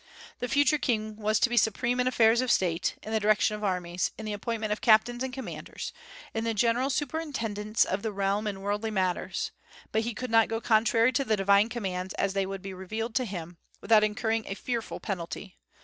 The future king was to be supreme in affairs of state, in the direction of armies, in the appointment of captains and commanders, in the general superintendence of the realm in worldly matters; but he could not go contrary to the divine commands as they would be revealed to him, without incurring a fearful penalty.